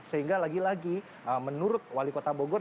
sehingga lagi lagi menurut wali kota bogor